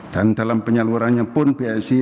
dan dalam penyalurannya pun bisi